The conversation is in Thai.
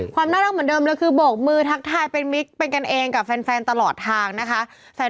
ความน่ารักเหมือนเดิมเลยคือโบกมือทักทายเป็นมิกเป็นกันเองกับแฟนตลอดทางนะคะ